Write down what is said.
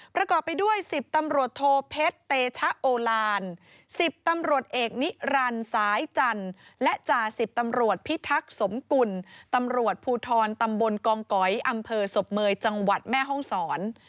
ประกอบไปด้วย๑๐ตำรวจโทเพชรเตชะโอลาน๑๐ตำรวจเอกนิรันดิ์สายจันทร์และจ่าสิบตำรวจพิทักษ์สมกุลตำรวจภูทรตำบลกองก๋อยอำเภอศพเมยจังหวัดแม่ห้องศร